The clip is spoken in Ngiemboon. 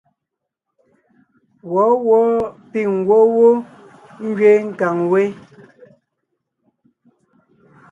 Wɔ̌wɔɔ píŋ ngwɔ́ wó ngẅeen nkàŋ wé.